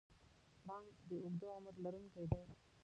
پړانګ د اوږده عمر لرونکی دی.